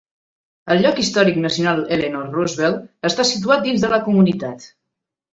El Lloc Històric Nacional Eleanor Roosevelt està situat dins de la comunitat.